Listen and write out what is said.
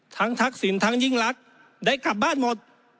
ทักษิณทั้งยิ่งรักได้กลับบ้านหมด